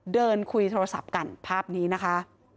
เดินคุยโทรศัพท์กันภาพนี้นะคะ